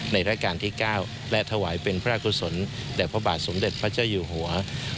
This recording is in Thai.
ราชการที่๙และถวายเป็นพระราชกุศลแด่พระบาทสมเด็จพระเจ้าอยู่หัว